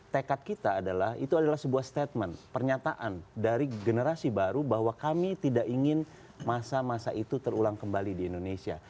tekad kita adalah itu adalah sebuah statement pernyataan dari generasi baru bahwa kami tidak ingin masa masa itu terulang kembali di indonesia